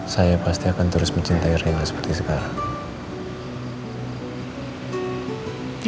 saya pasti akan terus mencintai erina seperti sekarang